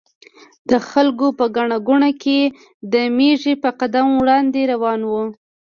د خلکو په ګڼه ګوڼه کې د مېږي په قدم وړاندې روان و.